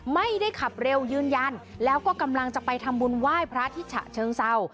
ไม่ได้ขับเร็วยืนยันแล้วก็กำลังจะไปทำบุญไหว้พระที่ฉะเชิงเศร้า